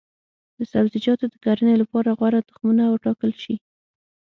د سبزیجاتو د کرنې لپاره غوره تخمونه وټاکل شي.